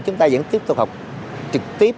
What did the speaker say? chúng ta vẫn tiếp tục học trực tuyến